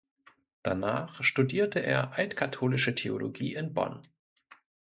Danach studierte er altkatholische Theologie in Bonn.